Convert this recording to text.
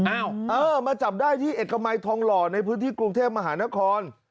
เออมาจับได้ที่เอกมัยทองหล่อในพื้นที่กรุงเทพมหานคร